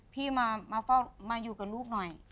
พี่มาอยู่กับลูกหน่อย